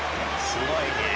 すごいねえ。